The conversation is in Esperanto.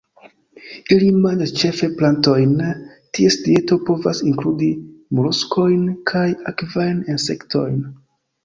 Ili manĝas ĉefe plantojn; ties dieto povas inkludi moluskojn kaj akvajn insektojn.